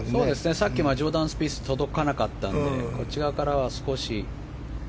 さっきジョーダン・スピースが届かなかったので内側からは少し。